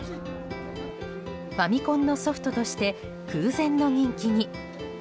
ファミコンのソフトとして空前の人気に。